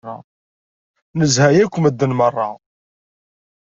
Nezha yakk medden merra